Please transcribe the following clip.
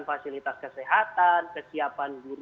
alasan untuk memanfaatkan keduk